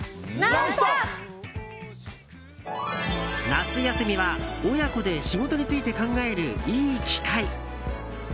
夏休みは親子で仕事について考えるいい機会。